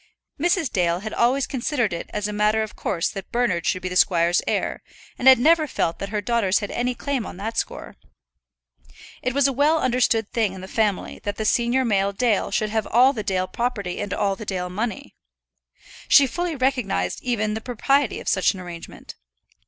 Mrs. Dale had always considered it as a matter of course that Bernard should be the squire's heir, and had never felt that her daughters had any claim on that score. It was a well understood thing in the family that the senior male Dale should have all the Dale property and all the Dale money. She fully recognized even the propriety of such an arrangement.